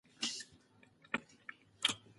حاکم باید د ښې حافظي او بلیغي ژبي څښتن يي.